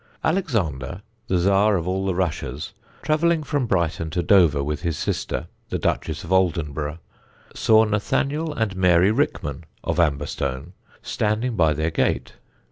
Alexander, the Czar of all the Russias, travelling from Brighton to Dover with his sister, the Duchess of Oldenburgh, saw Nathaniel and Mary Rickman of Amberstone standing by their gate.